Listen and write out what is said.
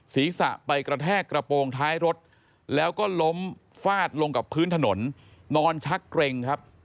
ศีรษะไปกระแทกกระโปรงท้ายรถแล้วก็ล้มฟาดลงกับพื้นถนนนอนชักเกร็งครับ